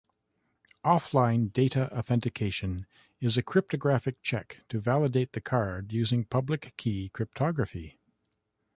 Offline data authentication is a cryptographic check to validate the card using public-key cryptography.